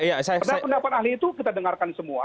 pendapat ahli itu kita dengarkan semua